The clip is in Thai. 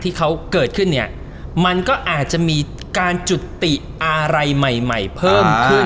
ที่เขาเกิดขึ้นเนี่ยมันก็อาจจะมีการจุติอะไรใหม่ใหม่เพิ่มขึ้น